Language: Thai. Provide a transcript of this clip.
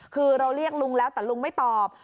คือเราเรียกลุงแล้วแต่ลุงไม่ตอบ